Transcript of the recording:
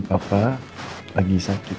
apa apartemennya seperti ini